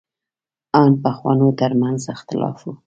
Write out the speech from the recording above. ان پخوانو تر منځ اختلاف و.